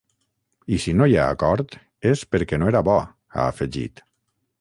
I si no hi ha acord és perquè no era bo, ha afegit.